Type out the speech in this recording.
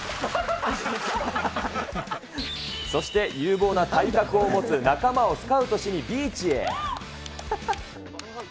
そして有望な体格を持つ仲間をスカウトしにビーチへ。